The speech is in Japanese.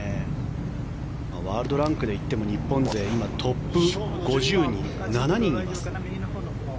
ワールドランクで言っても日本勢今トップ５０に７人います。